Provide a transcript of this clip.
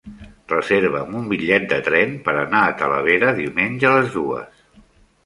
Reserva'm un bitllet de tren per anar a Talavera diumenge a les dues.